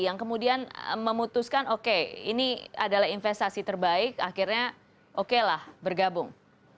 yang kemudian memutuskan oke ini adalah investasi terbaik akhirnya okelah bergabung